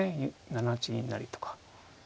７八銀成とか。